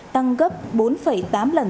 tăng gấp bốn tám lần